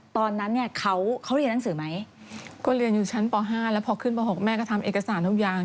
ตอนนั้นเนี่ยเขาเรียนหนังสือไหมก็เรียนอยู่ชั้นป๕แล้วพอขึ้นป๖แม่ก็ทำเอกสารทุกอย่าง